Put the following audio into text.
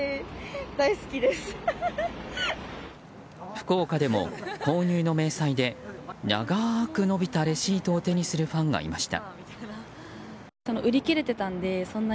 福岡でも購入の明細で長く伸びたレシートを手にするファンがいました。